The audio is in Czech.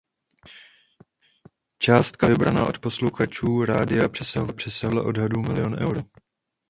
Částka vybraná od posluchačů rádia přesahovala podle odhadů milion euro.